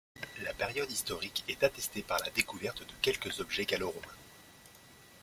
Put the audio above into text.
La période historique est attestée par la découverte de quelques objets gallo-romains.